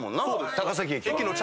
高崎駅。